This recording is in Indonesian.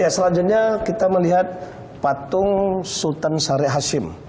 selanjutnya kita melihat patung sultan sari hashim